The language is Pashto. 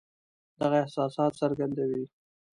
دغه احساسات څرګندوي.